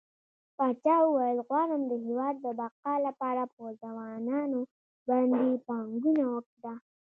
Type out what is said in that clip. پاچا وويل غواړم د هيواد د بقا لپاره په ځوانانو باندې پانګونه وکړه.